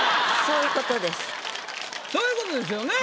そういうことですよね。